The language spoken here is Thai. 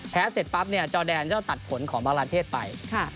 แพ้เสร็จปั๊บเจ้าแดนจะตัดผลของมากราเทศไป